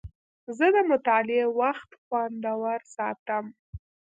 زه د مطالعې وخت خوندور ساتم.